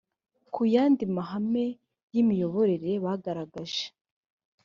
ku yandi mahame y imiyoborere bagaragaje